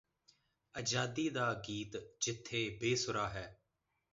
ਅਜ਼ਾਦੀ ਦਾ ਗੀਤ ਜਿੱਥੇ ਬੇ ਸੁਰਾ ਹੈ